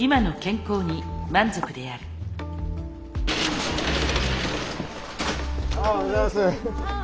あおはようございます。